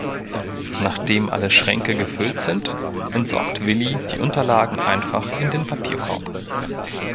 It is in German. Nachdem alle Schränke gefüllt sind, entsorgt Willi die Unterlagen einfach in den Papierkorb.